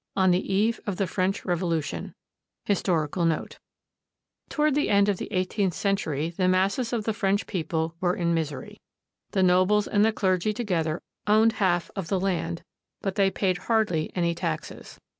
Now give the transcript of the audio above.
V ON THE EVE OF THE FRENCH REVOLUTION HISTORICAL NOTE Toward the end of the eighteenth century, the masses of the French people were in misery. The nobles and the clergy together owned half of the land, but they paid hardly any taxes.